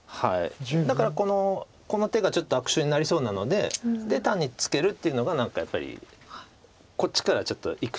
だからこの手がちょっと悪手になりそうなので単にツケるっていうのがやっぱりこっちからちょっといく手を。